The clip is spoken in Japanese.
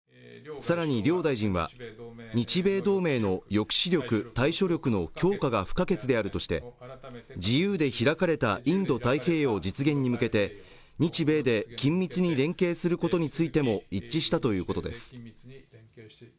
さらに両大臣は日米同盟の抑止力対処力の強化が不可欠であるとして自由で開かれたインド太平洋を実現に向けて日米で緊密に連携することについても一致したということです